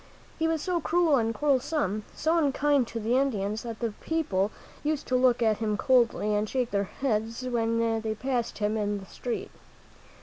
He was so cruel and quarrelsome, so unkind to the Indians, that the people used to look at him coldly, and shake their heads when they passed him in the street.